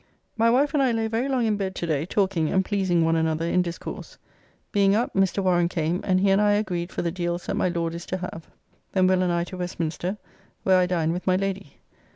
My wife and I lay very long in bed to day talking and pleasing one another in discourse. Being up, Mr. Warren came, and he and I agreed for the deals that my Lord is to, have. Then Will and I to Westminster, where I dined with my Lady.